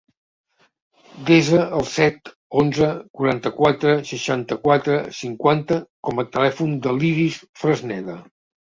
Desa el set, onze, quaranta-quatre, seixanta-quatre, cinquanta com a telèfon de l'Iris Fresneda.